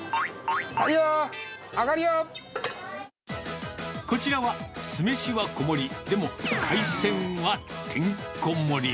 はいよ、こちらは、酢飯は小盛り、でも、海鮮はてんこ盛り。